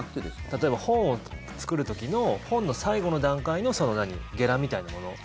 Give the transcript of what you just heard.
例えば、本を作る時の本の最後の段階のゲラみたいなもの。